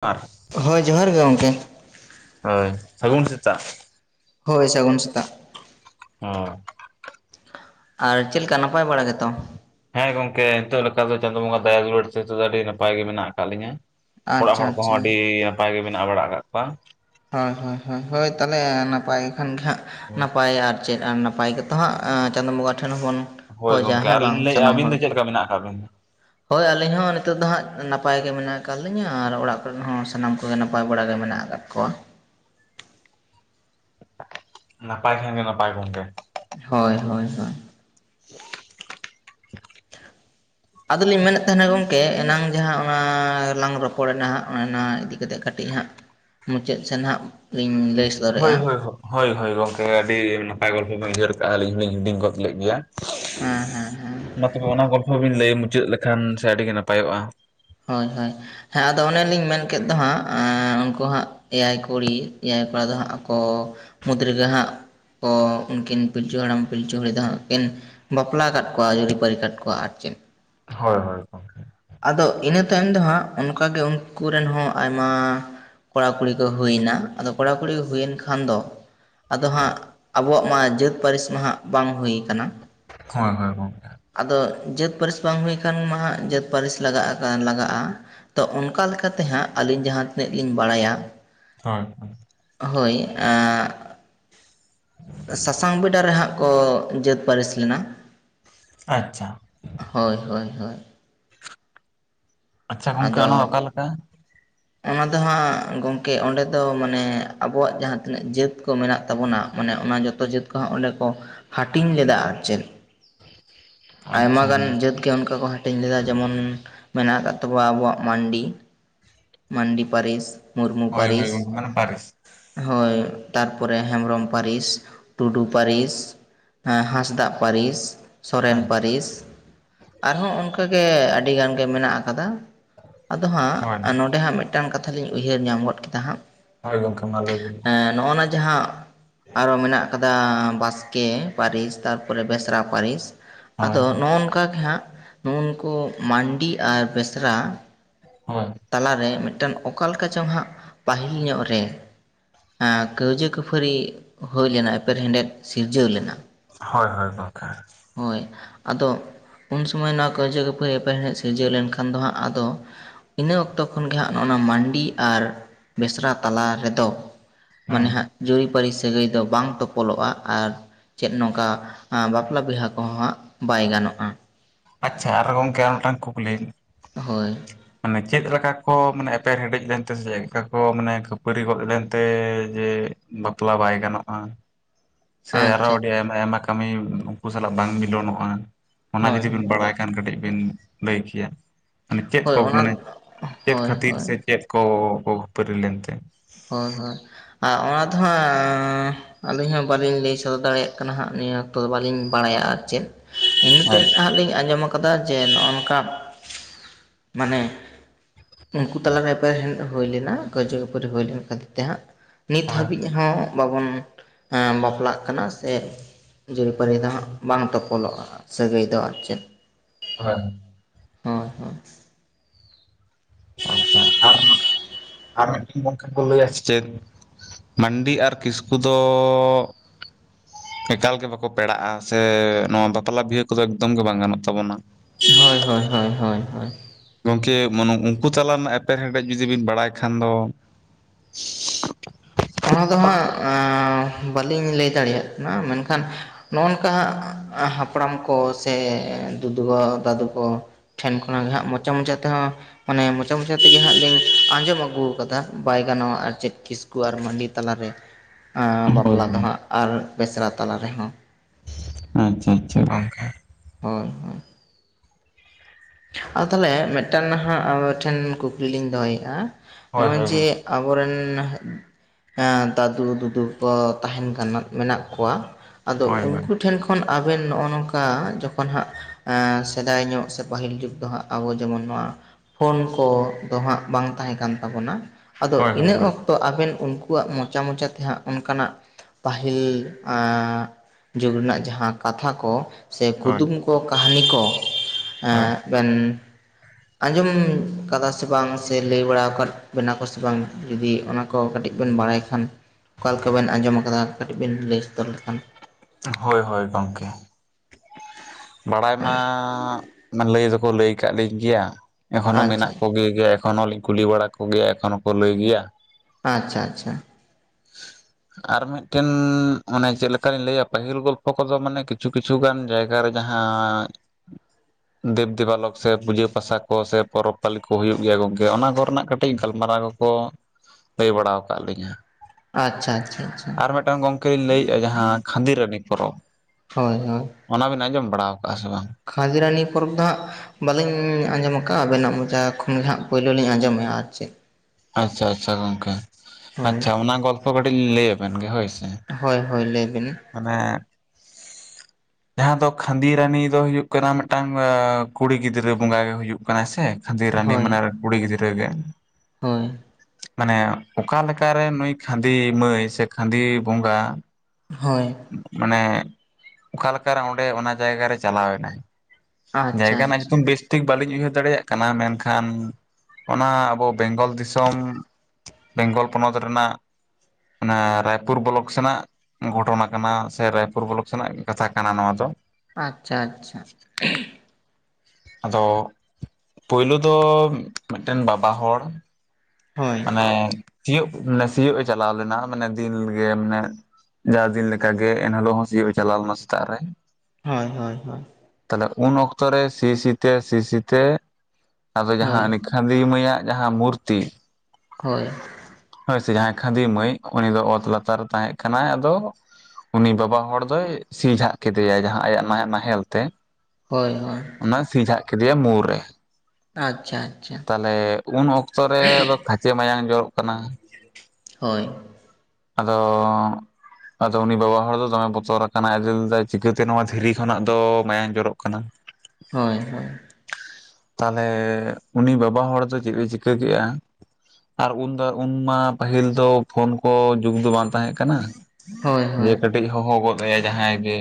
ᱛᱟᱨᱟᱥᱼᱼ ᱦᱚᱭ ᱡᱚᱦᱟᱨ ᱜᱮ ᱜᱚᱢᱠᱮ᱾ ᱦᱳᱭ ᱥᱟᱹᱜᱩᱱ ᱥᱮᱛᱟᱜ᱾ ᱦᱳᱭ ᱥᱟᱜᱩᱱ ᱥᱮᱛᱟᱜ᱾ ᱦᱚᱸ᱾ ᱟᱨ ᱪᱮᱜ ‌ᱞᱮᱠᱟ ᱱᱟᱯᱟᱭ ᱵᱟᱲᱟ ᱜᱮᱛᱚ? ᱦᱮᱸ ᱜᱚᱢᱠᱮ ᱱᱤᱛᱚᱜ ᱞᱮᱠᱟ ᱫᱚ ᱪᱟᱸᱫᱚ ᱵᱚᱸᱜᱟ ᱫᱟᱭᱟ ᱫᱩᱞᱟᱹᱲ ᱛᱮᱫᱚ ᱟᱹᱰᱤ ᱱᱟᱯᱟᱭ ᱜᱮ ᱢᱮᱱᱟᱜ ᱠᱟᱜ ᱞᱤᱧᱟ᱾ ᱚᱲᱟᱜ ᱦᱚᱲ ᱟᱪᱪᱷᱟ ᱠᱚᱦᱚᱸ ᱟᱪᱪᱷᱟ ᱟᱹᱰᱤ ᱱᱟᱯᱟᱭ ᱜᱮ ᱢᱮᱱᱟᱜ ᱵᱟᱲᱟᱜ ᱠᱟᱜ ᱠᱚᱣᱟ᱾ ᱦᱚᱭ ᱦᱚᱭ ᱦᱚᱭ ᱦᱚᱭ ᱛᱟᱦᱚᱞᱮ ᱱᱟᱯᱟᱭ ᱠᱷᱟᱱ ᱜᱮ ᱦᱟᱸᱜ ᱱᱟᱯᱟᱭᱟ ᱟᱨᱼᱼ ᱪᱮᱫ ᱟᱨ ᱱᱟᱯᱟᱭ ᱜᱮᱛᱚ ᱦᱟᱸᱜ ᱟᱸᱻ ᱪᱟᱸᱫᱚ ᱵᱚᱸᱜᱟ ᱴᱷᱮᱱ ᱦᱚᱸᱵᱚᱱᱼᱼ ᱦᱳᱭ ᱜᱚᱢᱠᱮ ᱟᱞᱤᱧ ᱞᱟᱹᱭᱮᱜ-ᱟ ᱟᱵᱤᱱ ᱫᱚ ᱪᱮᱫ ᱞᱮᱠᱟ ᱢᱮᱱᱟᱜ ᱠᱟᱜ ᱵᱮᱱᱟ? ᱦᱳᱭ ᱟᱹᱞᱤᱧ ᱦᱚᱸ ᱱᱤᱛᱚᱜ ᱫᱚ ᱦᱟᱸᱜ ᱮᱸ ᱱᱟᱯᱟᱭ ᱜᱮ ᱢᱮᱱᱟᱜ ᱟᱠᱟᱜ ᱞᱤᱧᱟ ᱟᱨ ᱚᱲᱟᱜ ᱠᱚᱨᱮᱱ ᱦᱚᱸ ᱥᱟᱱᱟᱢ ᱠᱚᱜᱮ ᱱᱟᱯᱟᱭ ᱵᱟᱲᱟ ᱜᱮ ᱢᱮᱱᱟᱜ ᱟᱠᱼᱼ ᱠᱟᱜ ᱠᱚᱣᱟ᱾ ᱱᱟᱯᱟᱭ ᱠᱷᱟᱱ ᱜᱮ ᱱᱟᱯᱟᱭ ᱜᱚᱢᱠᱮ᱾ ᱦᱳᱭ ᱦᱳᱭ ᱦᱳᱭ᱾ [inaudible] ᱟᱫᱚ ᱞᱤᱧ ᱢᱮᱱᱮᱜ ᱛᱟᱦᱮᱸᱱᱟ ᱜᱚᱢᱠᱮ ᱮᱱᱟᱝ ᱡᱟᱦᱟᱸᱼᱼ ᱚᱱᱟ ᱞᱟᱝ ᱨᱚᱯᱚᱲᱨᱱᱟ ᱦᱟᱸᱜ ᱚᱱᱮ ᱚᱱᱟ ᱤᱫᱤ ᱠᱟᱛᱮᱜ ᱠᱟᱹᱴᱤᱡ ᱦᱟᱸᱜᱼᱼ ᱢᱩᱪᱟᱹᱫ ᱥᱮᱱ ᱦᱟᱸᱜ ᱞᱤᱧ ᱞᱟᱹᱭ ᱥᱮᱼᱼ ᱦᱳᱭ ᱦᱳᱭ ᱦᱳᱭ ᱦᱳᱭ ᱜᱚᱢᱠᱮ ᱟᱹᱰᱤ ᱱᱟᱯᱟᱭ ᱜᱚᱞᱯᱚ ᱵᱮᱱ ᱩᱭᱦᱟᱹᱨ ᱠᱟᱜ-ᱟ ᱟᱹᱞᱤᱧ ᱦᱚᱸ ᱞᱤᱧ ᱦᱤᱰᱤᱧ ᱜᱚᱫ ᱞᱮᱫ ᱜᱮᱭᱟ᱾ ᱦᱮᱸ ᱦᱮᱸ ᱦᱮᱸ ᱢᱟ ᱛᱚᱵᱮ ᱚᱱᱟ ᱜᱚᱞᱯᱷᱚ ᱵᱤᱱ ᱞᱟᱹᱭ ᱢᱩᱪᱟᱹᱜ ᱞᱮᱠᱷᱟᱱ ᱥᱮ ᱟᱹᱰᱤ ᱜᱮ ᱱᱟᱯᱟᱭᱚᱜᱼᱟ᱾ ᱦᱳᱭ ᱦᱳᱭ ᱦᱮᱸ ᱟᱫᱚ ᱚᱱᱮ ᱞᱤᱧ ᱢᱮᱱ ᱠᱮᱫ ᱫᱚ ᱦᱟᱸᱜ ᱟᱸᱻ ᱩᱱᱠᱩ ᱦᱟᱸᱜᱼᱼ ᱮᱭᱟᱭ ᱠᱩᱲᱤ ᱮᱭᱟᱭ ᱠᱚᱲᱟ ᱫᱚ ᱦᱟᱸᱜ ᱟᱠᱚ ᱢᱩᱫᱽ ᱨᱮᱜᱮ ᱦᱟᱸᱜᱼᱼ ᱠᱚ ᱩᱱᱠᱤᱱ ᱯᱤᱞᱪᱩ ᱦᱟᱲᱟᱢ ᱯᱤᱞᱪᱩ ᱦᱩᱲᱤ ᱫᱚ ᱦᱟᱸᱜ ᱠᱤᱱᱼᱼ ᱵᱟᱯᱞᱟ ᱟᱠᱟᱫ ᱠᱚᱣᱟ ᱡᱩᱨᱤᱼᱯᱟᱹᱨᱤ ᱠᱟᱫ ᱠᱚᱣᱟ ᱟᱨ ᱪᱮᱫᱼᱼ ᱦᱳᱭ ᱦᱳᱭ ᱜᱚᱝᱠᱮ ᱟᱫᱚ ᱤᱱᱟᱹ ᱛᱟᱭᱚᱢ ᱫᱚ ᱦᱟᱸᱜ ᱚᱱᱠᱟᱜᱮ ᱩᱱᱠᱩ ᱨᱮᱱ ᱦᱚᱸ ᱟᱭᱢᱟ ᱠᱚᱲᱟ ᱠᱩᱲᱤ ᱠᱚ ᱦᱩᱭᱱᱟ ᱟᱫᱚ ᱠᱚᱲᱟ ᱠᱩᱲᱤ ᱦᱩᱭᱮᱱ ᱠᱷᱟᱱ ᱫᱚ ᱟᱫᱚ ᱦᱟᱸᱜ ᱟᱵᱚᱣᱟᱜ ᱢᱟ ᱡᱟᱹᱛ ᱯᱟᱹᱨᱤᱥ ᱢᱟ ᱦᱟᱸᱜ ᱵᱟᱝ ᱦᱩᱭ ᱠᱟᱱᱟ ᱦᱳᱭ ᱦᱳᱭ ᱜᱚᱢᱠᱮ ᱟᱫᱚ ᱡᱟᱹᱛ ᱯᱟᱹᱨᱤᱥ ᱵᱟᱝ ᱦᱩᱭ ᱠᱷᱟᱱ ᱢᱟ ᱡᱟᱹᱛ ᱯᱟᱹᱨᱤᱥ ᱞᱟᱜᱟᱜ ᱞᱟᱜᱟᱜᱼᱟ ᱛᱚ ᱚᱱᱠᱟ ᱞᱮᱠᱟᱛᱮ ᱦᱟᱸᱜ ᱟᱹᱞᱤᱧ ᱡᱟᱦᱟᱸ ᱛᱤᱱᱟᱹᱜ ᱞᱤᱧ ᱵᱟᱲᱟᱭᱟ ᱦᱳᱭ ᱦᱳᱭ ᱦᱚᱭ ᱟᱸᱻᱼᱼ ᱥᱟᱥᱟᱝ ᱵᱮᱰᱟ ᱨᱮ ᱦᱟᱸᱜ ᱠᱚ ᱡᱟᱹᱛ ᱯᱟᱹᱨᱤᱥ ᱞᱮᱱᱟ ᱟᱪᱪᱷᱟ ᱦᱳᱭ ᱦᱳᱭ ᱦᱳᱭ ᱟᱪᱪᱷᱟ ᱜᱚᱝᱠᱮ ᱚᱱᱟᱫᱚ ᱟᱫᱚ ᱚᱠᱟ ᱞᱮᱠᱟ ᱚᱱᱟ ᱫᱚ ᱦᱟᱸᱜ ᱜᱚᱢᱠᱮ ᱚᱸᱰᱮ ᱫᱚ ᱢᱟᱱᱮ ᱟᱵᱚᱣᱟᱜ ᱡᱟᱦᱟᱸ ᱛᱤᱱᱟᱹᱜ ᱡᱟᱹᱛ ᱠᱚ ᱢᱮᱱᱟᱜ ᱛᱟᱵᱚᱱᱟ ᱢᱟᱱᱮ ᱚᱱᱟ ᱡᱚᱛᱚ ᱡᱚᱛᱚ ᱡᱟᱹᱛ ᱠᱚᱦᱚᱸ ᱚᱸᱰᱮ ᱠᱚ ᱦᱟᱹᱴᱤᱧ ᱞᱮᱫᱟ ᱟᱨ ᱪᱮᱫ ᱟᱭᱢᱟ ᱟᱪᱪᱷᱟ ᱜᱟᱱ ᱡᱟᱹᱛ ᱜᱮ ᱚᱱᱠᱟ ᱠᱚ ᱦᱟᱹᱼᱼ ᱦᱟᱹᱴᱤᱧ ᱞᱮᱫᱟ ᱡᱮᱢᱚᱱ ᱢᱮᱱᱟᱜ ᱟᱠᱟᱫ ᱛᱟᱵᱚᱱᱟ ᱟᱵᱚᱣᱟᱜ ᱢᱟᱱᱰᱤ ᱢᱟᱱᱰᱤ ᱯᱟᱹᱨᱤᱥ ᱢᱩᱨᱢᱩ ᱦᱳᱭ ᱦᱳᱭ ᱯᱟᱹᱨᱤᱥ ᱜᱚᱝᱠᱮ ᱢᱟᱱᱮ ᱯᱟᱹᱨᱤᱥ ᱦᱚᱭ ᱛᱟᱨᱯᱚᱨᱮ ᱦᱮᱢᱵᱨᱚᱢ ᱯᱟᱹᱨᱤᱥ ᱴᱩᱰᱩ ᱯᱟᱹᱨᱤᱥ ᱦᱟᱸᱥᱫᱟᱜ ᱯᱟᱹᱨᱤᱥ ᱥᱚᱨᱮᱱᱼᱼ ᱦᱮᱸ ᱯᱟᱹᱨᱤᱥ ᱟᱨᱦᱚᱸ ᱚᱱᱠᱟ ᱜᱮ ᱟᱹᱰᱤ ᱜᱟᱱ ᱜᱮ ᱢᱮᱱᱟᱜ ᱟᱠᱟᱫᱟ ᱟᱫᱚ ᱦᱳᱭ ᱦᱟᱸᱜ ᱱᱚᱰᱮ ᱦᱟᱸᱜ ᱢᱤᱫᱴᱟᱱ ᱠᱟᱛᱷᱟ ᱞᱤᱧ ᱩᱭᱦᱟᱹᱨ ᱧᱟᱢ ᱜᱚᱫ ᱠᱮᱫᱟ ᱦᱟᱸᱜ ᱦᱚᱭ ᱜᱚᱢᱠᱮ ᱢᱟ ᱞᱟᱹᱭ ᱵᱤᱱ ᱦᱮᱸ ᱱᱚᱜᱼᱚᱱᱟ ᱡᱟᱦᱟᱸ ᱟᱨᱦᱚᱸ ᱢᱮᱱᱟᱜ ᱟᱠᱟᱫᱟ ᱵᱟᱥᱠᱮ ᱯᱟᱹᱨᱤᱥ ᱛᱟᱨᱯᱚᱨᱮ ᱵᱮᱥᱨᱟ ᱯᱟᱹᱨᱤᱥ ᱦᱳᱭ ᱟᱫᱚ ᱱᱚᱜ ᱦᱳᱭ ᱱᱚᱝᱠᱟᱜ ᱜᱮ ᱦᱟᱸᱜ ᱱᱩᱜᱼᱩ ᱱᱩᱠᱩ ᱢᱟᱱᱰᱤ ᱟᱨ ᱵᱮᱥᱨᱟ ᱦᱚᱭ ᱛᱟᱞᱟᱨᱮ ᱢᱤᱫᱴᱟᱹᱝ ᱚᱠᱟ ᱞᱮᱠᱟ ᱪᱚᱝ ᱦᱟᱸᱜ ᱯᱟᱹᱦᱤᱞ ᱧᱚᱜ ᱨᱮ ᱠᱟᱹᱣᱡᱟᱹ ᱠᱷᱟᱹᱯᱟᱹᱨᱤ ᱦᱩᱭ ᱞᱮᱱᱟ ᱮᱯᱮᱨᱦᱮᱸᱰᱮ ᱥᱤᱨᱡᱟᱹᱣ ᱞᱮᱱᱟ ᱦᱚᱭ ᱦᱚᱭ ᱜᱚᱢᱠᱮ ᱦᱚᱭ ᱟᱫᱚ ᱩᱱ ᱥᱚᱢᱚᱭ ᱱᱚᱣᱟ ᱠᱟᱹᱣᱡᱟᱹ ᱠᱷᱟᱹᱯᱟᱹᱨᱤ ᱮᱯᱮᱨᱦᱮᱸᱰᱮ ᱥᱤᱨᱡᱟᱹᱣ ᱞᱮᱱᱠᱷᱟᱱ ᱫᱚ ᱦᱟᱸᱜ ᱟᱫᱚ ᱤᱱᱟᱹ ᱚᱠᱛᱚ ᱠᱷᱚᱱᱜᱮ ᱦᱟᱸᱜ ᱱᱚᱜᱼ ᱱᱟ ᱢᱟᱱᱰᱤ ᱟᱨ ᱵᱮᱥᱨᱟ ᱛᱟᱞᱟ ᱨᱮᱫᱚ ᱦᱮᱸ ᱢᱟᱱᱮ ᱦᱟᱸᱜ ᱡᱩᱨᱤ ᱯᱟᱹᱨᱤ ᱥᱟᱹᱜᱟᱹᱭ ᱫᱚ ᱵᱟᱝ ᱛᱚᱯᱚᱞᱚᱜᱼᱟ ᱟᱨ ᱪᱮᱫ ᱱᱚᱝᱠᱟ ᱵᱟᱯᱞᱟ ᱵᱤᱦᱟ ᱠᱚᱦᱚᱸ ᱦᱟᱸᱜ ᱵᱟᱭ ᱜᱟᱱᱚᱜᱼᱟ ᱟᱪᱪᱷᱟ ᱟᱨᱦᱚᱸ ᱜᱚᱢᱠᱮ ᱟᱨ ᱢᱤᱫᱴᱟᱹᱝ ᱠᱩᱠᱞᱤ ᱦᱚᱭ ᱢᱟᱱᱮ ᱪᱮᱫ ᱞᱮᱠᱟ ᱠᱚ ᱢᱟᱱᱮ ᱮᱯᱮᱨ ᱦᱮᱸᱰᱮᱡ ᱞᱮᱱᱛᱮ ᱥᱮ ᱪᱮᱫ ᱞᱮᱠᱟ ᱠᱚ ᱢᱟᱱᱮ ᱠᱷᱟᱹᱯᱟᱹᱨᱤ ᱜᱚᱫ ᱞᱮᱱᱛᱮ ᱡᱮ ᱵᱟᱯᱞᱟ ᱵᱟᱭ ᱜᱟᱱᱚᱜᱼᱟ ᱥᱮ ᱟᱪᱪᱷᱟ ᱟᱨᱦᱚᱸ ᱟᱹᱰᱤ ᱟᱭᱢᱟ ᱟᱭᱢᱟ ᱠᱟᱹᱢᱤ ᱩᱱᱠᱩ ᱥᱟᱞᱟᱜ ᱵᱟᱝ ᱢᱤᱞᱚᱱᱚᱜᱼᱟ ᱚᱱᱟ ᱦᱳᱭ ᱡᱩᱫᱤ ᱵᱤᱱ ᱦᱳᱭ ᱵᱟᱲᱟᱭ ᱠᱷᱟᱱ ᱠᱟᱹᱴᱤᱡ ᱵᱤᱱ ᱞᱟᱹᱭ ᱠᱮᱭᱟ ᱢᱟᱱᱮ ᱪᱮᱫ ᱦᱳᱭ ᱠᱚ ᱚᱱᱟ ᱢᱟᱱᱮ ᱪᱮᱫ ᱦᱳᱭ ᱠᱷᱟᱹᱛᱤᱨ ᱦᱳᱭ ᱥᱮ ᱪᱮᱫ ᱠᱚ ᱠᱷᱟᱹᱯᱟᱹᱨᱤ ᱞᱮᱱᱛᱮ ᱦᱚᱭ ᱦᱚᱭ ᱟᱨ ᱚᱱᱟ ᱫᱚ ᱦᱟᱸᱜ ᱟᱹᱞᱤᱧ ᱦᱚᱸ ᱵᱟᱹᱞᱤᱧ ᱞᱟᱹᱭ ᱥᱚᱫᱚᱨ ᱫᱟᱲᱮᱭᱟᱜ ᱠᱟᱱᱟ ᱦᱟᱸᱜ ᱱᱤᱭᱟᱹ ᱚᱠᱛᱚ ᱫᱚ ᱵᱟᱹᱞᱤᱧ ᱵᱟᱲᱟᱭᱟ ᱟᱨ ᱪᱮᱫ [unintelligible] ᱟᱪᱪᱷᱟ ᱦᱟᱸᱜ ᱞᱤᱧ ᱟᱸᱡᱚᱢ ᱟᱠᱟᱫᱟ ᱡᱮ ᱱᱚᱜᱼᱚ ᱱᱚᱝᱠᱟ ᱢᱟᱱᱮ ᱩᱱᱠᱩ ᱛᱟᱞᱟᱨᱮ ᱮᱯᱮᱨᱦᱮᱱ ᱦᱩᱭ ᱞᱮᱱᱟ [unintelligible] ᱦᱩᱭ ᱞᱮᱱᱟ ᱠᱷᱟᱹᱛᱤᱨ ᱛᱮ ᱦᱟᱸᱜ ᱱᱤᱛ ᱦᱟᱹᱵᱤᱡ ᱦᱚᱸ ᱵᱟᱵᱚᱱ ᱵᱟᱯᱞᱟᱜ ᱠᱟᱱᱟ ᱥᱮ ᱡᱩᱨᱤ ᱯᱟᱹᱨᱤ ᱫᱚ ᱦᱟᱸᱜ ᱵᱟᱝ ᱛᱚᱯᱚᱞᱚᱜᱼᱟ ᱥᱟᱹᱜᱟᱹᱭ ᱫᱚ ᱟᱨ ᱪᱮᱫ ᱦᱮᱸ ᱦᱳᱭ ᱦᱳᱭ ᱟᱨ [unintelligible] ᱜᱚᱢᱠᱮ ᱠᱚ ᱞᱟᱹᱭᱟ ᱥᱮ ᱪᱮᱫ ᱢᱟᱱᱰᱤ ᱟᱨ ᱠᱤᱥᱠᱩ ᱫᱚ ᱮᱠᱟᱞ ᱜᱮ ᱵᱟᱠᱚ ᱯᱮᱲᱟᱜᱼᱟ ᱥᱮ ᱱᱚᱣᱟ ᱵᱟᱯᱞᱟ ᱵᱤᱦᱟᱹ ᱠᱚᱫᱚ ᱮᱠᱫᱚᱢ ᱜᱮ ᱵᱟᱝ ᱜᱟᱱᱚᱜ ᱛᱟᱵᱚᱱᱟ ᱾ ᱦᱚᱭ ᱦᱚᱭ ᱦᱚᱭ ᱦᱚᱭ ᱦᱚᱭ ᱜᱚᱝᱠᱮ ᱢᱟᱱᱮ ᱩᱱᱠᱩ ᱛᱟᱞᱟ ᱨᱮᱱᱟᱜ ᱮᱯᱮᱨᱦᱮᱸᱰᱮ ᱡᱩᱫᱤ ᱵᱤᱱ ᱵᱟᱲᱟᱭ ᱠᱷᱟᱱ ᱫᱚ ᱚᱱᱟ ᱫᱚ ᱦᱟᱸᱜ ᱵᱟᱹᱞᱤᱧ ᱞᱟᱹᱭ ᱫᱟᱲᱮᱭᱟᱜ ᱠᱟᱱᱟ ᱢᱮᱱᱠᱷᱟᱱ ᱱᱚᱜᱼᱚ ᱱᱚᱝᱠᱟ ᱦᱟᱯᱲᱟᱢ ᱠᱚ ᱥᱮ ᱫᱩᱫᱩᱜᱚ ᱫᱟᱹᱫᱩ ᱠᱚ ᱴᱷᱮᱱ ᱠᱷᱚᱱᱟᱜ ᱜᱮ ᱦᱟᱸᱜ ᱢᱚᱪᱟ ᱢᱚᱪᱟ ᱛᱮᱦᱚᱸ ᱢᱟᱱᱮ ᱢᱚᱪᱟ ᱢᱚᱪᱟ ᱛᱮᱜᱮ ᱦᱟᱸᱜ ᱞᱤᱧ ᱟᱸᱡᱚᱢ ᱟᱹᱜᱩ ᱟᱠᱟᱫᱟ ᱵᱟᱭ ᱜᱟᱱᱚᱜᱼᱟ ᱟᱨ ᱪᱮᱫ ᱠᱤᱥᱼᱼ ᱠᱤᱥᱠᱩ ᱟᱨ ᱢᱟᱹᱰᱤ ᱛᱟᱞᱟᱨᱮ ᱦᱳᱭ ᱵᱟᱯᱞᱟ ᱫᱚ ᱦᱳᱭ ᱦᱟᱸᱜ ᱟᱨ ᱵᱮᱥᱨᱟ ᱛᱟᱞᱟ ᱨᱮᱦᱚᱸ ᱾ ᱟᱪᱪᱷᱟ ᱟᱪᱪᱷᱟ ᱜᱚᱝᱠᱮ ᱦᱳᱭ ᱦᱳᱭ ᱟᱫᱚ ᱛᱟᱦᱚᱞᱮ ᱢᱤᱫᱴᱟᱝ ᱦᱟᱜ ᱟᱵᱮᱱ ᱴᱷᱮᱱ ᱠᱩᱠᱞᱤ ᱞᱤᱧ ᱫᱚᱦᱚᱭᱮᱫᱼᱟ ᱱᱚᱜᱼᱚᱭ ᱡᱮ ᱟᱵᱚᱨᱮᱱ ᱦᱮᱸ ᱫᱟᱫᱩ ᱫᱩᱫᱩᱜᱚ ᱛᱟᱦᱮᱱ ᱠᱟᱱᱟ ᱢᱮᱱᱟᱜ ᱠᱚᱣᱟ ᱟᱫᱚ ᱦᱳᱭ ᱦᱳᱭ ᱩᱱᱠᱩ ᱴᱷᱮᱱ ᱠᱷᱚᱱ ᱟᱵᱮᱱ ᱱᱚᱜᱚ ᱱᱚᱝᱠᱟ ᱡᱚᱠᱷᱚᱱ ᱦᱟᱸᱜ ᱥᱮᱫᱟᱭ ᱧᱚᱜ ᱥᱮ ᱯᱟᱹᱦᱤᱞ ᱡᱩᱜᱽ ᱫᱚ ᱦᱟᱸᱜ ᱟᱵᱚ ᱡᱮᱢᱚᱱ ᱱᱚᱣᱟ ᱯᱷᱳᱱ ᱠᱚ ᱫᱚ ᱦᱟᱸᱜ ᱵᱟᱝ ᱛᱟᱦᱮᱸ ᱠᱟᱱ ᱛᱟᱵᱚᱱᱟ ᱾ ᱟᱫᱚ ᱦᱳᱭ ᱦᱳᱭ ᱤᱱᱟᱹ ᱚᱠᱛᱚ ᱟᱵᱮᱱ ᱩᱱᱠᱩᱣᱟᱜ ᱢᱚᱪᱟ ᱢᱚᱪᱟ ᱛᱮᱦᱟᱸᱜ ᱚᱱᱠᱟᱱᱟᱜ ᱯᱟᱹᱦᱤᱞ ᱡᱩᱜᱽ ᱨᱮᱱᱟᱜ ᱡᱟᱦᱟᱸ ᱠᱟᱛᱷᱟ ᱠᱚ ᱾ ᱥᱮ ᱦᱳᱭ ᱠᱩᱫᱩᱢ ᱠᱚ ᱠᱟᱹᱦᱱᱤ ᱠᱚ ᱦᱳᱭ ᱵᱮᱱ ᱟᱸᱡᱚᱢ ᱠᱟᱫᱟ ᱥᱮ ᱵᱟᱝ ᱥᱮ ᱞᱟᱹᱭ ᱵᱟᱲᱟ ᱟᱠᱟᱫ ᱵᱮᱱᱟ ᱠᱚ ᱥᱮ ᱵᱟᱝ ᱡᱩᱫᱤ ᱚᱱᱟ? ᱠᱚ ᱠᱟᱹᱴᱤᱡ ᱵᱮᱱ ᱵᱟᱲᱟᱭ ᱠᱷᱟᱱ ᱚᱠᱟ ᱞᱮᱠᱟ ᱵᱮᱱ ᱟᱸᱡᱚᱢ ᱟᱠᱟᱫᱟ ᱠᱟᱹᱴᱤᱡ ᱵᱮᱱ ᱞᱟᱹᱭ ᱥᱚᱫᱚᱨ ᱞᱮᱠᱷᱟᱱ? ᱦᱳᱭ ᱦᱳᱭ ᱜᱚᱝᱠᱮ ᱵᱟᱲᱟᱭ ᱢᱟ ᱞᱟᱹᱭ ᱫᱚᱠᱚ ᱞᱟᱹᱭ ᱟᱠᱟᱫ ᱞᱤᱧ ᱜᱮᱭᱟ ᱮᱠᱷᱚᱱᱳ ᱟᱪᱪᱷᱟ ᱢᱮᱱᱟᱜ ᱠᱚᱜᱮ ᱜᱮᱭᱟ ᱾ ᱮᱠᱷᱚᱱ ᱦᱚᱞᱤᱧ ᱠᱩᱞᱤ ᱵᱟᱲᱟ ᱠᱚᱜᱮᱭᱟ ᱮᱠᱷᱚᱱ ᱦᱚᱸᱠᱚ ᱞᱟᱹᱭ ᱜᱮᱭᱟ ᱾ ᱟᱪᱪᱷᱟ ᱟᱪᱪᱷᱟ ᱟᱨ ᱢᱤᱫᱴᱮᱱ ᱢᱟᱱᱮ ᱪᱮᱫᱞᱮᱠᱟᱧ ᱞᱟᱹᱭᱟ ᱯᱟᱹᱦᱤᱞ ᱜᱚᱞᱯᱷᱚ ᱠᱚᱫᱚ ᱢᱟᱱᱮ ᱠᱤᱪᱷᱩ ᱠᱤᱪᱷᱩ ᱠᱤᱪᱷᱩᱜᱟᱱ ᱡᱟᱭᱜᱟ ᱨᱮ ᱡᱟᱦᱟᱸ ᱫᱮᱵ ᱫᱮᱵᱟᱞᱚᱠᱽ ᱥᱮ ᱯᱩᱡᱟᱹ ᱯᱟᱥᱟ ᱠᱚ ᱥᱮ ᱯᱚᱨᱚᱵᱽ ᱯᱟᱹᱞᱤ ᱠᱚ ᱦᱩᱭᱩᱜ ᱜᱮᱭᱟ ᱜᱚᱝᱠᱮ ᱚᱱᱟ ᱠᱚᱨᱮᱱᱟᱜ ᱠᱟᱹᱴᱤᱡ ᱜᱟᱞᱢᱟᱨᱟᱣ ᱠᱚ ᱞᱟᱹᱭ ᱵᱟᱲᱟᱣ ᱟᱠᱟᱫ ᱞᱤᱧᱟᱹ ᱾ ᱟᱪᱪᱷᱟ ᱟᱪᱪᱷᱟ ᱪᱷᱟ ᱟᱨ ᱢᱤᱫᱴᱟᱝ ᱜᱚᱝᱠᱮᱧ ᱞᱟᱹᱭᱮᱫᱼᱟ ᱡᱟᱦᱟᱸ ᱠᱷᱟᱱᱫᱤᱨᱟᱱᱤ ᱯᱚᱨᱚᱵᱽ ᱾ ᱦᱳᱭ ᱦᱳᱭ ᱚᱱᱟ ᱵᱤᱱ ᱟᱸᱡᱚᱢ ᱵᱟᱲᱟᱣ ᱟᱠᱟᱜᱼᱟ ᱥᱮ ᱵᱟᱝ? ᱠᱷᱟᱸᱫᱤᱨᱟᱱᱤ ᱯᱚᱨᱚᱵ ᱫᱚ ᱦᱟᱸᱜ ᱵᱟᱹᱞᱤᱧ ᱟᱸᱡᱚᱢ ᱟᱠᱟᱜᱼᱟ ᱟᱵᱮᱱᱟᱜ ᱢᱚᱪᱟ ᱠᱷᱚᱱᱜᱮ ᱦᱟᱸᱜ ᱯᱳᱭᱞᱳ ᱞᱤᱧ ᱟᱸᱡᱚᱢᱮᱫᱟ ᱟᱨ ᱪᱮᱫ ᱾ ᱟᱪᱪᱷᱟ ᱟᱪᱪᱷᱟ ᱜᱚᱝᱠᱮ ᱦᱳᱭ ᱟᱪᱪᱷᱟ ᱚᱱᱟ ᱜᱚᱞᱯᱷᱚ ᱠᱟᱹᱴᱤᱡ ᱞᱤᱧ ᱞᱟᱹᱭ ᱟᱵᱮᱱ ᱜᱮ ᱦᱳᱭ ᱥᱮ ᱾ ᱦᱳᱭ ᱦᱳᱭ ᱞᱟᱹᱭ ᱵᱤᱱ ᱾ ᱢᱟᱱᱮ ᱡᱟᱦᱟᱸ ᱫᱚ ᱠᱷᱟᱸᱫᱤ ᱨᱟᱱᱤ ᱫᱚᱭ ᱦᱩᱭᱩᱜ ᱠᱟᱱᱟ ᱢᱤᱫᱴᱟᱝ ᱠᱩᱲᱤ ᱜᱤᱫᱽᱨᱟᱹ ᱵᱚᱸᱜᱟ ᱜᱮ ᱦᱩᱭᱩᱜ ᱠᱟᱱᱟ ᱥᱮ ᱾ ᱠᱷᱟᱸᱫᱤ ᱨᱟᱱᱤ ᱦᱳᱭ ᱢᱟᱱᱮ ᱠᱩᱲᱤ ᱜᱤᱫᱽᱨᱟᱹ ᱜᱮ ᱾ ᱦᱳᱭ ᱢᱟᱱᱮ ᱚᱠᱟᱞᱮᱠᱟᱨᱮ ᱱᱩᱭ ᱠᱷᱟᱸᱫᱤ ᱢᱟᱹᱭ ᱥᱮ ᱠᱷᱟᱸᱫᱤ ᱵᱚᱸᱜᱟ ᱦᱳᱭ ᱢᱟᱱᱮ ᱚᱠᱟᱞᱮᱠᱟᱨᱮ ᱚᱸᱰᱮ ᱚᱱᱟ ᱡᱟᱭᱜᱟ ᱨᱮ ᱪᱟᱞᱟᱣ ᱮᱱᱟᱭ? ᱟᱪᱪᱷᱟ ᱡᱟᱭᱜᱟ ᱨᱮᱱᱟᱜ ᱟᱪᱪᱷᱟ ᱧᱩᱛᱩᱢ ᱵᱮᱥ ᱴᱷᱤᱠ ᱵᱟᱹᱞᱤᱧ ᱩᱭᱦᱟᱹᱨ ᱫᱟᱲᱮᱭᱟᱜ ᱠᱟᱱᱟ ᱢᱮᱱᱠᱷᱟᱱ ᱚᱱᱟ ᱟᱵᱚ ᱵᱮᱝᱜᱚᱞ ᱫᱤᱥᱚᱢ ᱵᱮᱝᱜᱚᱞ ᱯᱚᱱᱚᱛ ᱨᱮᱱᱟᱜ ᱨᱟᱭᱯᱩᱨ ᱵᱞᱚᱠ ᱥᱮᱱᱟᱜ ᱜᱷᱚᱴᱚᱱᱟ ᱠᱟᱱᱟ ᱾ ᱠᱟᱱᱟ ᱥᱮ ᱨᱟᱭᱯᱩᱨ ᱵᱞᱚᱠ ᱥᱮᱱᱟᱜ ᱠᱟᱛᱷᱟ ᱠᱟᱱᱟ ᱱᱚᱣᱟ ᱫᱚ ᱾ ᱟᱪᱪᱷᱟ ᱟᱪᱪᱷᱟ ᱟᱫᱚ ᱯᱩᱭᱞᱳ ᱫᱚ ᱢᱤᱫᱴᱮᱱ ᱵᱟᱵᱟ ᱦᱚᱲ ᱦᱳᱭ ᱦᱮᱸ ᱥᱤᱭᱳᱜ ᱢᱟᱱᱮ ᱥᱤᱭᱳᱜ ᱮ ᱪᱟᱞᱟᱣ ᱞᱮᱱᱟ ᱢᱟᱱᱮ ᱫᱤᱱ ᱨᱮᱜᱮ ᱢᱟᱱᱮ ᱾ ᱡᱟᱣ ᱫᱤᱱ ᱞᱮᱠᱟᱜᱮ ᱮᱱ ᱦᱤᱞᱳᱜ ᱦᱚᱸ ᱥᱤᱭᱳᱜ ᱮ ᱪᱟᱞᱟᱣ ᱞᱮᱱᱟ ᱥᱮᱛᱟᱜ ᱨᱮ ᱦᱳᱭ ᱦᱳᱭ ᱦᱳᱭ ᱛᱟᱦᱞᱮ ᱩᱱ ᱚᱠᱛᱚ ᱨᱮ ᱥᱤ ᱥᱤᱛᱮ ᱥᱤ ᱥᱤᱛᱮ ᱟᱫᱚ ᱡᱟᱦᱟᱸ ᱦᱳᱭ ᱱᱤᱠᱟᱹ ᱦᱟᱹᱫᱤ ᱢᱟᱹᱭᱟᱜ ᱡᱟᱦᱟᱸ ᱢᱩᱨᱛᱤ ᱦᱳᱭ ᱦᱳᱭ ᱥᱮ ᱡᱟᱦᱟᱸᱭ ᱠᱷᱟᱫᱤ ᱢᱟᱹᱭ ᱩᱱᱤ ᱫᱚ ᱚᱛ ᱞᱟᱛᱟᱨᱮ ᱛᱟᱦᱮᱸ ᱠᱟᱱᱟᱭ ᱟᱫᱚ ᱩᱱᱤ ᱵᱟᱵᱟ ᱦᱚᱲ ᱫᱚᱭ ᱥᱮᱡᱷᱟᱜ ᱠᱮᱫᱮᱭᱟ ᱡᱟᱦᱟᱸ ᱟᱭᱟᱜ ᱱᱟᱦ ᱱᱟᱦᱮᱞ ᱛᱮ᱾ ᱦᱳᱭ ᱦᱳᱭ ᱚᱱᱟ ᱥᱮᱡᱷᱟᱜ ᱠᱮᱫᱮᱭᱟ ᱢᱩᱨ ᱨᱮ᱾ ᱟᱪᱪᱷᱟ ᱟᱪᱪᱷᱟ ᱛᱟᱞᱮ ᱩᱱ ᱚᱠᱛᱚ ᱨᱮᱫᱚ ᱠᱷᱟᱪᱮ ᱢᱟᱭᱟᱝ ᱡᱚᱨᱚᱜ ᱠᱟᱱᱟ᱾ ᱦᱳᱭ ᱟᱫᱚᱻ ᱟᱫᱚ ᱩᱱᱤ ᱵᱟᱵᱟ ᱦᱚᱲ ᱫᱚ ᱫᱚᱢᱮ ᱵᱚᱛᱚᱨ ᱠᱟᱱᱟᱭ, ᱟᱡᱫᱚᱭ ᱞᱮᱫᱟᱭ ᱪᱤᱠᱟᱹᱛᱮ ᱱᱚᱣᱟ ᱫᱷᱤᱨᱤ ᱠᱷᱚᱱᱟᱜ ᱫᱚ ᱢᱟᱭᱟᱝ ᱡᱚᱨᱚᱜ ᱠᱟᱱᱟ᱾ [inaudible] ᱦᱳᱭ ᱦᱳᱭ ᱛᱟᱦᱞᱮ ᱩᱱᱤ ᱵᱟᱵᱟ ᱦᱚᱲ ᱫᱚ ᱪᱮᱫ ᱮ ᱪᱤᱠᱟᱹ ᱠᱮᱜᱼᱟ᱾ ᱟᱨ ᱩᱱᱫᱚ ᱩᱱᱢᱟ ᱯᱟᱹᱦᱤᱞ ᱫᱚ ᱯᱷᱳᱱ ᱠᱚ ᱡᱩᱜᱽ ᱫᱚ ᱵᱟᱝ ᱛᱟᱦᱮᱸᱜ ᱠᱟᱱᱟ ᱦᱳᱭ ᱡᱮ ᱦᱳᱭ ᱠᱟᱹᱴᱤᱡ ᱦᱚᱦᱚ ᱜᱚᱫ ᱟᱭᱟ ᱡᱟᱦᱟᱸᱭ ᱜᱮ᱾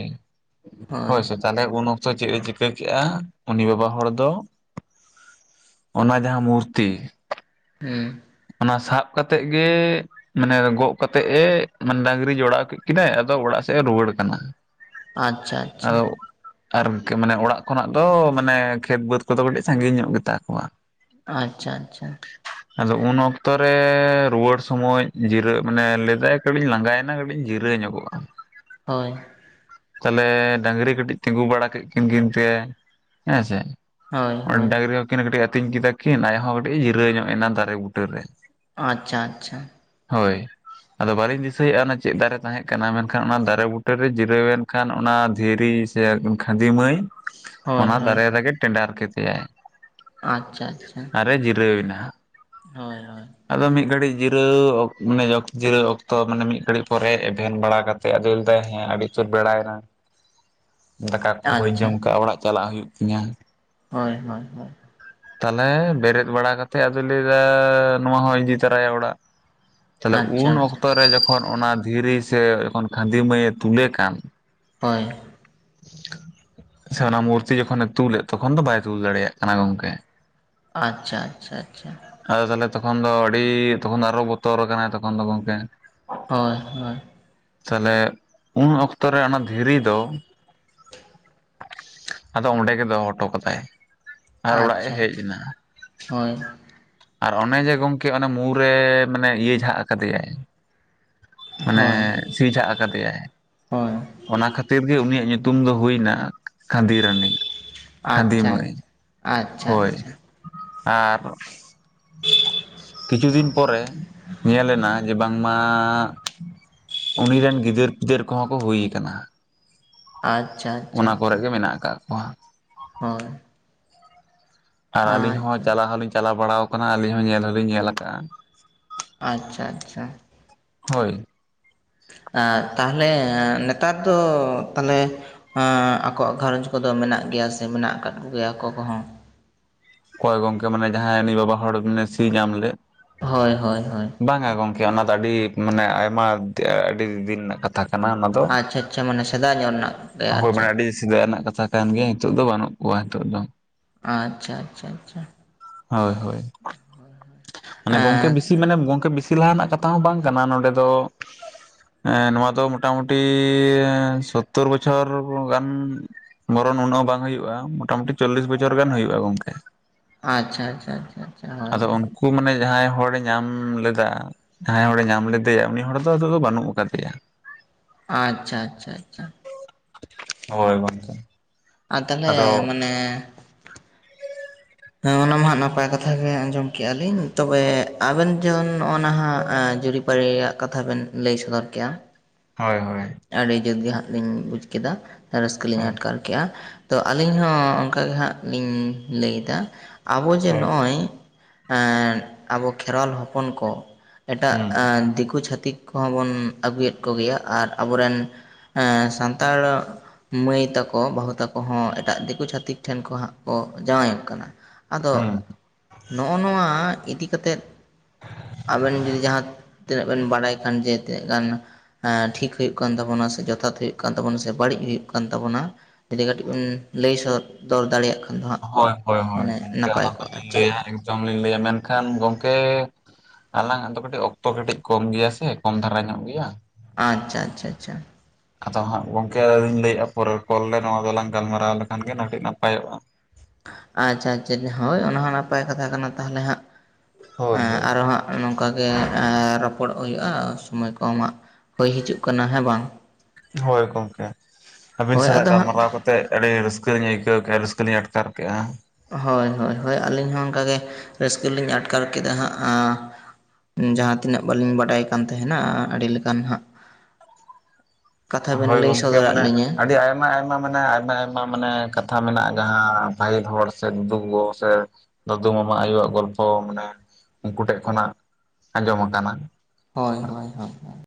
ᱦᱳᱭ ᱥᱮ ᱛᱟᱦᱞᱮ ᱩᱱ ᱚᱠᱛᱚ ᱪᱮᱫ ᱮ ᱪᱤᱠᱟᱹ ᱠᱮᱜᱼᱟ ᱩᱱᱤ ᱵᱟᱵᱟ ᱦᱚᱲ ᱫᱚ, ᱚᱱᱟ ᱡᱟᱦᱟᱸ ᱢᱩᱨᱛᱤ᱾ ᱦᱮᱸ ᱚᱱᱟ ᱥᱟᱵ ᱠᱟᱛᱮᱜ ᱜᱮᱻ ᱢᱟᱱᱮ ᱜᱚᱜ ᱠᱟᱛᱮᱜ ᱮ ᱢᱟᱱᱮ ᱰᱟᱝᱨᱤ ᱡᱚᱲᱟᱣ ᱠᱮᱫ ᱠᱤᱱᱟ ᱟᱫᱚ ᱚᱲᱟᱜ ᱥᱮᱫ ᱮ ᱨᱩᱣᱟᱹᱲ ᱠᱟᱱᱟ᱾ ᱟᱪᱪᱷᱟ ᱟᱪᱪᱷᱟ ᱟᱫᱚ ᱟᱨᱠᱤ ᱢᱟᱱᱮ ᱚᱲᱟᱜ ᱠᱷᱚᱱᱟᱜ ᱫᱚ ᱢᱟᱱᱮ ᱠᱷᱮᱛ ᱵᱟᱹᱫᱽ ᱠᱚᱫᱚ ᱠᱟᱹᱴᱤᱡ ᱥᱟᱺᱜᱤᱧ ᱧᱚᱜ ᱜᱮᱛᱟ ᱠᱚᱣᱟ᱾ ᱟᱪᱪᱷᱟ ᱟᱪᱪᱷᱟ᱾ ᱟᱫᱚ ᱩᱱ ᱚᱠᱛᱚ ᱨᱮ ᱨᱩᱣᱟᱹᱲ ᱥᱚᱢᱚᱭ ᱡᱤᱨᱟᱹᱜ ᱢᱟᱱᱮ ᱞᱟᱹᱭᱫᱟᱭ ᱠᱟᱹᱴᱤᱧ ᱞᱟᱸᱜᱟᱭᱮᱱᱟ ᱠᱟᱹᱴᱤᱧ ᱡᱤᱨᱟᱹᱣ ᱧᱚᱜᱚᱜᱼᱟ᱾ [inaudible] ᱦᱳᱭ ᱛᱟᱞᱦᱮ ᱰᱟᱝᱨᱤ ᱠᱟᱹᱴᱤᱡ ᱛᱤᱸᱜᱩ ᱵᱟᱲᱟ ᱠᱮᱫ ᱠᱤᱱ ᱠᱤᱱ ᱛᱮ ᱦᱮᱸᱥᱮ, ᱦᱳᱭ ᱦᱳᱭ ᱰᱟᱝᱨᱤ ᱦᱚᱸᱠᱤᱱ ᱠᱟᱹᱴᱤᱡ ᱟᱹᱛᱤᱧ ᱠᱮᱫᱟ ᱠᱤᱱ ᱟᱡᱦᱚᱸ ᱠᱟᱹᱴᱤᱡ ᱡᱤᱨᱟᱹᱣ ᱧᱚᱜ ᱮᱱᱟ ᱫᱟᱨᱮ ᱵᱩᱴᱟᱹᱨ ᱨᱮ, ᱟᱪᱪᱷᱟ ᱟᱪᱪᱷᱟ ᱦᱳᱭ ᱟᱫᱚ ᱵᱟᱞᱤᱧ ᱫᱤᱥᱟᱹᱭᱮᱜᱼᱟ ᱚᱱᱟ ᱪᱮᱫ ᱫᱟᱨᱮ ᱛᱟᱦᱮᱸ ᱠᱟᱱᱟ, ᱢᱮᱱᱠᱷᱟᱱ ᱚᱱᱟ ᱫᱟᱨᱮ ᱵᱩᱴᱟᱹ ᱨᱮ ᱡᱤᱨᱟᱹᱣᱮᱱ ᱠᱷᱟᱱ ᱚᱱᱟ ᱫᱷᱤᱨᱤ ᱥᱮ ᱠᱷᱟᱫᱤ ᱢᱟᱹᱭ ᱦᱳᱭ ᱚᱱᱟ ᱫᱟᱨᱮ ᱦᱳᱭ ᱨᱮᱜᱮ ᱴᱮᱸᱰᱟᱨ ᱠᱮᱫᱮᱭᱟᱭ᱾ ᱟᱪᱪᱷᱟ ᱟᱪᱪᱷᱟ ᱟᱨᱮ ᱡᱤᱨᱟᱹᱣᱮᱱᱟ᱾ ᱦᱳᱭ ᱦᱳᱭ᱾ ᱟᱫᱚ ᱢᱤᱫ ᱜᱷᱟᱹᱲᱤᱡ ᱡᱤᱨᱟᱹᱣ ᱢᱟᱱᱮ ᱡᱤᱨᱟᱹᱣ ᱚᱠᱛᱚ ᱢᱟᱱᱮ ᱢᱤᱫ ᱜᱷᱟᱹᱲᱤᱡ ᱯᱚᱨᱮ ᱮᱵᱷᱮᱱ ᱵᱟᱲᱟ ᱠᱟ ᱛᱮᱫ ᱟᱫᱚᱭ ᱫᱟᱭ ᱦᱮᱸ ᱟᱹᱰᱤᱪᱩᱨ ᱵᱮᱲᱟᱭᱱᱟ᱾ ᱫᱟᱠᱟ ᱠᱚ ᱵᱟᱹᱧ ᱡᱚᱢ ᱟᱪᱪᱷᱟ ᱠᱟᱜᱼᱟ ᱚᱲᱟᱜ ᱪᱟᱞᱟᱜ ᱦᱩᱭᱩᱜ ᱛᱤᱧᱟᱹ, ᱦᱳᱭ ᱦᱳᱭ ᱦᱳᱭ᱾ ᱛᱟᱞᱦᱮ ᱵᱮᱨᱮᱫ ᱵᱟᱲᱟ ᱠᱟᱛᱮᱫ ᱟᱫᱚᱭ ᱞᱟᱹᱭ ᱮᱫᱟ ᱱᱚᱣᱟ ᱦᱚᱸᱭ ᱤᱫᱤ ᱛᱚᱨᱟᱭᱟ ᱚᱲᱟᱜ᱾ ᱛᱟᱦᱞᱮ ᱩᱱ ᱟᱪᱪᱷᱟ ᱟᱪᱪᱷᱟ ᱚᱠᱛᱚᱨᱮ ᱡᱚᱠᱷᱚᱱ ᱚᱱᱟ ᱫᱷᱤᱨᱤ ᱥᱮ ᱡᱚᱠᱷᱚᱱ ᱠᱷᱟᱹᱱᱫᱤ ᱢᱟᱹᱭᱮ ᱛᱩᱞᱮ ᱠᱟᱱ ᱦᱚᱭ᱾ ᱥᱮ ᱚᱱᱟ ᱢᱩᱨᱛᱤ ᱡᱚᱠᱷᱚᱱᱮ ᱛᱩᱞᱮᱫ ᱛᱚᱠᱷᱚᱱ ᱫᱚ ᱵᱟᱭ ᱛᱩᱞ ᱫᱟᱲᱮᱭᱟᱜ ᱠᱟᱱᱟ ᱜᱚᱝᱠᱮ᱾ ᱟᱪᱪᱷᱟ ᱟᱪᱪᱷᱟ ᱟᱪᱪᱷᱟ᱾ ᱟᱫᱚ ᱛᱟᱦᱚᱞᱮ ᱛᱚᱠᱷᱚᱱ ᱫᱚ ᱟᱹᱰᱤ ᱛᱚᱠᱷᱚᱱ ᱫᱚ ᱟᱨᱚ ᱵᱚᱛᱚᱨ ᱟᱠᱟᱱᱟ ᱛᱚᱠᱷᱚᱱ ᱫᱚ ᱜᱚᱝᱠᱮ᱾ ᱦᱳᱭ ᱦᱳᱭ᱾ ᱛᱟᱦᱚᱞᱮ ᱩᱱ ᱚᱠᱛᱚ ᱨᱮ ᱚᱱᱟ ᱫᱷᱤᱨᱤ ᱫᱚ ᱟᱫᱚ ᱚᱸᱰᱮ ᱜᱮ ᱫᱚᱜ ᱦᱚᱴᱚ ᱠᱟᱫᱟᱭ᱾ ᱟᱨ ᱚᱲᱟᱜ ᱮ ᱟᱪᱪᱷᱟ ᱦᱮᱡ ᱮᱱᱟ ᱦᱳᱭ᱾ ᱟᱨ ᱚᱱᱮ ᱡᱮ ᱜᱚᱝᱠᱮ ᱚᱱᱮ ᱢᱩᱨᱮ ᱢᱟᱱᱮ ᱤᱭᱟᱹ ᱡᱷᱟᱜ ᱠᱟᱫᱮᱭᱟᱭ᱾ ᱢᱟᱱᱮ ᱦᱳᱭ ᱥᱤ ᱪᱷᱟᱜ ᱟᱠᱟᱫᱮᱭᱟᱭ᱾ ᱦᱳᱭ ᱚᱱᱟ ᱠᱷᱟᱹᱛᱤᱨ ᱜᱮ ᱩᱱᱤᱭᱟᱜ ᱧᱩᱛᱩᱢ ᱫᱚ ᱦᱩᱭᱱᱟ ᱠᱷᱫᱤᱨᱟᱱᱤ ᱾ ᱟᱪᱪᱷᱟ ᱪᱷᱟ ᱟᱪᱪᱷᱟ ᱦᱳᱭ ᱪᱷᱟ᱾ ᱟᱨ ᱠᱤᱪᱷᱩ ᱫᱤᱱ ᱯᱚᱨᱮ ᱧᱮᱞᱱᱟ ᱡᱮ ᱵᱟᱝ ᱢᱟ ᱩᱱᱤ ᱨᱮᱱ ᱜᱤᱫᱟᱹᱨ ᱯᱤᱫᱟᱹᱨ ᱠᱚᱦᱚᱸ ᱠᱚ ᱦᱩᱭ ᱟᱠᱟᱱᱟ᱾ ᱟᱪᱪᱷᱟ ᱟᱪᱪᱷᱟ ᱚᱱᱟ ᱠᱚᱨᱮᱜ ᱟᱪᱪᱷᱟ ᱜᱮ ᱢᱮᱱᱟᱜ ᱟᱠᱟᱜ ᱠᱚᱣᱟ᱾ ᱦᱳᱭ᱾ ᱟᱨ ᱟᱹᱞᱤᱧ ᱦᱚᱸ ᱟᱪᱪᱷᱟ ᱪᱟᱞᱟᱣ ᱦᱚᱞᱤᱧ ᱪᱟᱞᱟᱣ ᱵᱟᱲᱟᱣ ᱠᱟᱱᱟ ᱾ ᱟᱹᱞᱤᱧ ᱦᱚᱸ ᱧᱮᱞ ᱦᱚᱸᱞᱤᱧ ᱧᱮᱞ ᱟᱠᱟᱜᱼᱟ ᱾ ᱟᱪᱪᱷᱟ ᱟᱪᱪᱷᱟ᱾ ᱦᱳᱭ᱾ ᱟᱨ ᱛᱟᱦᱞᱮ ᱱᱮᱛᱟᱨ ᱫᱚ ᱛᱟᱞᱦᱮ, ᱟᱠᱚᱣᱟᱜ ᱜᱷᱟᱨᱚᱸᱡᱽ ᱠᱚᱫᱚ ᱢᱮᱱᱟᱜ ᱜᱮᱭᱟ ᱥᱮ ᱢᱮᱱᱟᱜ ᱟᱠᱟᱫ ᱠᱚᱜᱮᱭᱟ ᱟᱠᱚ ᱠᱚᱦᱚᱸ? ᱚᱠᱚᱭ ᱜᱚᱝᱠᱮ ᱢᱟᱱᱮ ᱡᱟᱦᱟᱸᱭ ᱩᱱᱤ ᱵᱟᱵᱟ ᱦᱚᱲ ᱢᱟᱱᱮ ᱥᱤ ᱧᱟᱢ ᱞᱮᱫ ᱦᱳᱭ ᱦᱳᱭ ᱦᱳᱭ᱾ ᱵᱟᱝᱟ ᱜᱚᱢᱠᱮ ᱚᱱᱟ ᱫᱚ ᱟᱹᱰᱤ ᱢᱟᱱᱮ ᱟᱭᱢᱟ ᱟᱹᱰᱤ ᱫᱤᱱ ᱨᱮᱱᱟᱜ ᱠᱟᱛᱷᱟ ᱠᱟᱱᱟ ᱚᱱᱟᱫᱚ᱾ ᱟᱪᱪᱷᱟ ᱪᱷᱟ ᱢᱟᱱᱮ ᱥᱮᱫᱟᱭ ᱧᱚᱜ ᱨᱮᱱᱟᱜ ᱜᱮ ᱟᱨ ᱦᱳᱭ ᱢᱟᱱᱮ ᱪᱮᱜ, ᱟᱹᱰᱤ ᱥᱮᱫᱟᱭ ᱨᱮᱱᱟᱜ ᱠᱟᱛᱷᱟ ᱠᱟᱱ ᱜᱮᱭᱟ, ᱱᱤᱛᱚᱜ ᱫᱚ ᱵᱟᱹᱱᱩᱜ ᱠᱚᱣᱟ ᱦᱤᱛᱚᱜ ᱫᱚ ᱾ ᱟᱪᱪᱷᱟ᱾ ᱟᱪᱪᱷᱟ ᱦᱳᱭ ᱦᱳᱭ, ᱢᱟᱱᱮ ᱜᱚᱢᱠᱮ ᱵᱤᱥᱤ ᱢᱟᱱᱮ ᱜᱚᱢᱠᱮ ᱵᱤᱥᱤ ᱞᱟᱦᱟ ᱨᱮᱱᱟᱜ ᱠᱟᱛᱷᱟ ᱦᱚᱸ ᱵᱟᱝ ᱠᱟᱱᱟ ᱱᱚᱸᱰᱮ ᱫᱚ, ᱦᱮᱸ ᱱᱚᱣᱟ ᱫᱚ ᱢᱚᱴᱟᱢᱩᱴᱤ ᱥᱳᱛᱛᱳᱨ ᱵᱚᱪᱷᱚᱨ ᱜᱟᱱ, ᱵᱷᱚᱨᱚᱱ ᱩᱱᱟᱹᱜ ᱦᱚ ᱵᱟᱝ ᱦᱩᱭᱩᱜᱼᱟ᱾ ᱢᱚᱴᱟ ᱢᱩᱴᱤ ᱪᱚᱞᱞᱤᱥ ᱵᱚᱪᱷᱚᱨ ᱜᱟᱱ ᱦᱩᱭᱩᱜᱼᱟ ᱜᱚᱝᱠᱮ ᱾ ᱟᱪᱪᱷᱟ ᱟᱪᱪᱷᱟ ᱟᱪᱪᱷᱟ ᱟᱪᱪᱷᱟ ᱦᱳᱭ ᱟᱫᱚ ᱦᱳᱭ ᱩᱱᱠᱩ ᱢᱟᱱᱮ ᱡᱟᱦᱟᱸᱭ ᱦᱚᱲᱮᱡ ᱧᱟᱢ ᱞᱮᱫᱟ, ᱡᱟᱦᱟᱸᱭ ᱦᱚᱲᱮ ᱧᱟᱢ ᱞᱮᱫᱮᱭᱟ, ᱩᱱᱤ ᱦᱚᱲ ᱫᱚ ᱟᱫᱚ ᱱᱤᱛᱚᱜ ᱫᱚ ᱵᱟᱹᱱᱩᱜ ᱟᱠᱟᱫᱮᱭᱟ ᱾ ᱟᱪᱪᱷᱟ ᱟᱪᱪᱷᱟ ᱟᱪᱪᱷᱟ᱾ ᱦᱳᱭ ᱜᱚᱝᱠᱮ᱾ ᱟᱨ ᱛᱟᱞᱦᱮ ᱟᱫᱚ ᱢᱟᱱᱮ ᱦᱮᱸ ᱚᱱᱟ ᱢᱟ ᱦᱟᱸᱜ ᱱᱟᱯᱟᱭ ᱠᱟᱛᱷᱟ ᱜᱮ ᱟᱸᱡᱚᱢ ᱠᱮᱜᱼᱟ ᱞᱤᱧ, ᱛᱚᱵᱮ ᱟᱵᱮᱱ ᱡᱮᱢᱚᱱ ᱱᱚᱜᱼᱟ ᱱᱟᱦᱟᱸᱜ ᱡᱩᱨᱤᱯ ᱯᱟᱹᱨᱤ ᱭᱟᱜ ᱠᱟᱛᱷᱟ ᱵᱤᱱ ᱞᱟᱹᱭ ᱥᱚᱫᱚᱨ ᱠᱮᱜᱼᱟ, ᱦᱳᱭ ᱦᱳᱭ᱾ ᱟᱹᱰᱤ ᱡᱩᱛ ᱜᱮ ᱦᱟᱸᱜ ᱞᱤᱧ ᱵᱩᱡᱽ ᱠᱮᱫᱟ᱾ ᱨᱟᱹᱥᱠᱟᱹ ᱞᱤᱧ ᱦᱳᱭ ᱟᱴᱠᱟᱨ ᱠᱮᱜᱼᱟ ᱾ ᱛᱚ ᱟᱹᱞᱤᱧ ᱦᱚᱸ ᱚᱱᱠᱟᱜᱮ ᱦᱟᱸᱜ ᱞᱤᱧ ᱞᱟᱹᱭᱫᱟ ᱟᱵᱚ ᱡᱮ ᱦᱳᱭ ᱱᱚᱜᱼᱚᱭ, ᱮᱸᱜ ᱟᱵᱚ ᱠᱷᱮᱨᱣᱟᱞ ᱦᱚᱯᱚᱱ ᱠᱚ ᱮᱴᱟᱜ ᱦᱩᱸ ᱫᱤᱠᱩ ᱪᱷᱟᱹᱛᱤᱠ ᱠᱚᱦᱚᱸ ᱵᱚᱱ ᱟᱹᱜᱩᱭᱮᱫ ᱠᱚᱜᱮᱭᱟ᱾ ᱟᱨ ᱟᱵᱚᱨᱮᱱ ᱥᱟᱱᱛᱟᱲ, ᱢᱟᱹᱭ ᱛᱟᱠᱚ ᱵᱟᱹᱦᱩ ᱛᱟᱠᱚ ᱦᱚᱸ ᱮᱴᱟᱜ ᱫᱤᱠᱩ ᱪᱷᱟᱹᱛᱤᱠ ᱴᱷᱮᱱ ᱠᱷᱚᱱ ᱦᱟᱸᱜ ᱠᱚ ᱡᱟᱶᱟᱭᱚᱜ ᱠᱟᱱᱟ ᱾ ᱟᱫᱚ ᱦᱩᱸ ᱱᱚᱜᱼᱚ ᱱᱚᱣᱟ ᱤᱫᱤ ᱠᱟᱛᱮᱫ ᱟᱹᱵᱤᱱ ᱡᱩᱫᱤ ᱡᱟᱦᱟᱸ ᱛᱤᱱᱟᱹᱜ ᱵᱤᱱ ᱵᱟᱲᱟᱭ ᱠᱷᱟᱱ ᱡᱮ ᱛᱤᱱᱟᱹᱜ ᱜᱟᱱ ᱴᱷᱤᱠ ᱦᱩᱭᱩᱜ ᱠᱟᱱ ᱛᱟᱵᱚᱱᱟ ᱥᱮ ᱡᱚᱛᱷᱟᱛ ᱦᱩᱭᱩᱜ ᱠᱟᱱ ᱛᱟᱵᱚᱱᱟ, ᱥᱮ ᱵᱟᱹᱲᱤᱡ ᱦᱩᱭᱩᱜ ᱠᱟᱱ ᱛᱟᱵᱚᱱᱟ ᱾ ᱡᱩᱫᱤ ᱠᱟᱹᱴᱤᱡ ᱵᱤᱱ ᱞᱟᱹᱭ ᱥᱚᱫᱚᱨ ᱫᱟᱲᱮᱭᱟᱜ ᱠᱷᱟᱱ, ᱫᱚ ᱦᱟᱸᱜ ᱦᱳᱭ ᱦᱳᱭ ᱦᱳᱭ ᱢᱟᱱᱮ ᱜᱚᱢᱠᱮ ᱱᱟᱯᱟᱭ ᱚᱱᱟ ᱠᱚᱜᱼᱟ ᱟᱨ ᱫᱚᱞᱤᱧ ᱪᱮᱫ ᱞᱟᱹᱭᱟ ᱮᱠᱫᱚᱢ ᱞᱤᱧ ᱞᱟᱹᱭᱟ, ᱢᱮᱱᱠᱷᱟᱱ ᱜᱚᱢᱠᱮ ᱟᱞᱟᱝᱟᱜ ᱫᱚ ᱠᱟᱹᱴᱤᱡ ᱚᱠᱛᱚ ᱠᱟᱹᱴᱤᱡ ᱠᱚᱢ ᱜᱮᱭᱟ ᱥᱮ ᱠᱚᱢ ᱫᱷᱟᱨᱟ ᱧᱚᱜ ᱜᱮᱭᱟ᱾ ᱟᱪᱪᱷᱟ ᱟᱪᱪᱷᱟ ᱪᱪᱷᱟ᱾ ᱟᱫᱚ ᱦᱟᱸᱜ ᱜᱚᱝᱠᱮ ᱟᱹᱧ ᱞᱟᱹᱭᱮᱜᱼᱟ ᱯᱚᱨᱮᱨ ᱠᱚᱞ ᱨᱮ ᱱᱚᱣᱟ ᱫᱚᱞᱟᱝ ᱜᱟᱞᱢᱟᱨᱟᱣ ᱞᱮᱠᱷᱟᱱ ᱜᱮ ᱟᱹᱰᱤ ᱱᱟᱯᱟᱭᱚᱜᱼᱟ᱾ ᱟᱪᱪᱷᱟ ᱟᱪᱪᱷᱟ ᱦᱳᱭ ᱚᱱᱟ ᱦᱚᱸ ᱱᱟᱯᱟᱭ ᱠᱟᱛᱷᱟ ᱠᱟᱱᱟ ᱛᱟᱦᱚᱞᱮ ᱦᱟᱸᱜ ᱦᱳᱭ ᱦᱳᱭ ᱟᱨᱚ ᱦᱟᱸᱜ ᱱᱚᱝᱠᱟ ᱜᱮ ᱨᱚᱯᱚᱲᱚᱜ ᱦᱩᱭᱩᱜᱼᱟ, ᱥᱚᱢᱚᱭ ᱠᱚ ᱟᱢᱟᱜ ᱦᱩᱭ ᱦᱤᱡᱩᱜ ᱠᱟᱱᱟ ᱦᱮᱸ ᱵᱟᱝ? ᱦᱳᱭ ᱜᱚᱝᱠᱮ, ᱟᱹᱵᱤᱱ ᱦᱳᱭ ᱥᱟᱞᱟᱜ ᱟᱫᱚ ᱦᱟᱸᱜ ᱜᱟᱞᱢᱟᱨᱟᱣ ᱠᱟᱛᱮ ᱛᱮᱜ ᱟᱹᱰᱤ ᱨᱟᱹᱥᱠᱟᱹᱞᱤᱧ ᱟᱹᱭᱠᱟᱹᱣ ᱠᱮᱜᱼᱟ ᱨᱟᱹᱥᱠᱟᱹ ᱞᱤᱧ ᱟᱴᱠᱟᱨ ᱠᱮᱜᱼᱟ᱾ ᱦᱳᱭ ᱦᱳᱭ ᱦᱳᱭ ᱟᱹᱞᱤᱧ ᱦᱚᱸ ᱚᱝᱠᱟᱜᱮ ᱨᱟᱹᱥᱠᱟᱹ ᱞᱤᱧ ᱟᱴᱠᱟᱨ ᱠᱮᱫᱟ ᱦᱟᱸᱜ ᱟᱸ ᱡᱟᱦᱟᱸ ᱛᱤᱱᱟᱹᱜ ᱵᱟᱹᱞᱤᱧ ᱵᱟᱰᱟᱭ ᱠᱟᱱ ᱛᱟᱦᱮᱱᱟ ᱟᱹᱰᱤᱞᱠᱟᱱ ᱦᱟᱸᱜ ᱠᱟᱛᱷᱟ ᱵᱮᱱ ᱦᱳᱭ ᱞᱟᱹᱭ ᱜᱚᱝᱠᱮ ᱥᱚᱫᱚᱨᱟᱫ ᱢᱟᱱᱮ ᱞᱤᱧᱟᱹ ᱟᱹᱰᱤ ᱟᱭᱢᱟ, ᱟᱭ ᱟᱭᱢᱟ ᱢᱟᱱᱮ ᱟᱭᱢᱟ ᱟᱭᱢᱟ ᱢᱟᱱᱮ ᱠᱟᱛᱷᱟ ᱢᱮᱱᱟᱜᱼᱟ, ᱡᱟᱦᱟᱸ ᱯᱟᱦᱤᱞ ᱦᱚᱲ ᱥᱮ ᱫᱩᱫᱩ ᱜᱚ ᱥᱮ, ᱫᱟᱹᱫᱩ ᱢᱟᱢᱟ ᱟᱭᱳᱣᱟᱜ ᱜᱚᱞᱯᱷᱚ ᱢᱟᱱᱮ ᱩᱱᱠᱩ ᱴᱷᱮᱡ ᱠᱷᱚᱱᱟᱜ ᱟᱸᱡᱚᱢ ᱟᱠᱟᱱᱟ᱾ ᱦᱚᱭ ᱦᱚᱭ ᱦᱚᱭ ᱦᱚᱭ